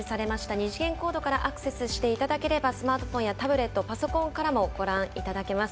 二次元コードからアクセスしていただくとスマートフォンやタブレット、パソコンからもご覧いただけます。